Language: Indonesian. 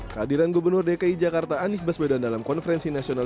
kehadiran gubernur dki jakarta anies baswedan dalam konferensi nasional